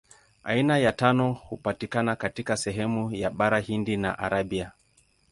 Aina ya tano hupatikana katika sehemu ya Bara Hindi na Arabia.